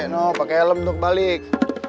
no pakai helm untuk balik